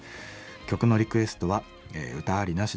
曲のリクエストは歌ありなし